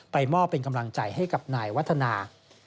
มอบเป็นกำลังใจให้กับนายวัฒนา